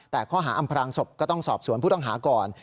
แต่ข้อหาอำพรางศพก็ต้องสอบสวนผู้ต้องหาก่อน